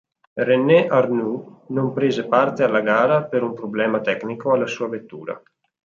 René Arnoux non prese parte alla gara per un problema tecnico alla sua vettura.